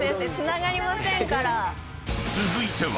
［続いては］